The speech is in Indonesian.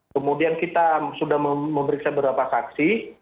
kemudian kita sudah memeriksa beberapa saksi